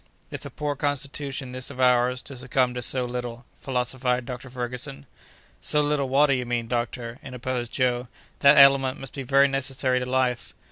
"It's a poor constitution this of ours to succumb to so little," philosophized Dr. Ferguson. "So little water, you mean, doctor," interposed Joe; "that element must be very necessary to life."